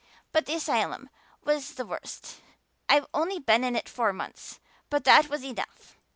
But the asylum was the worst. I've only been in it four months, but that was enough.